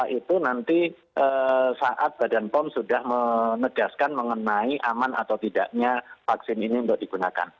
itu nanti saat badan pom sudah menegaskan mengenai aman atau tidaknya vaksin ini untuk digunakan